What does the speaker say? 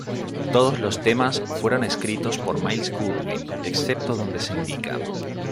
Todos los temas fueron escritos por Myles Goodwyn, excepto donde se indica.